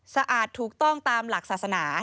สะอาดถูกต้องตามหลักศาสนา